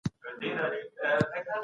آیا ته په آخرت ایمان لرې؟